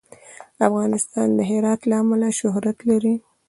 افغانستان د هرات له امله شهرت لري.